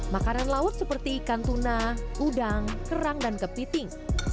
makanan laut seperti ikan tuna udang kerang dan kepiting